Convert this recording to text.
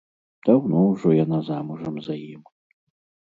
Даўно ўжо яна замужам за ім.